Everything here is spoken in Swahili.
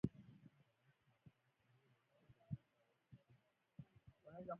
Imetayarishwa na Kennes Bwire, Sauti ya amerka Washington wilaya ya Kolumbia